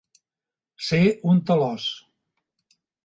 Ser un talòs.